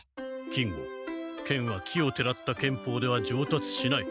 金吾剣はきをてらった剣法ではじょうたつしない。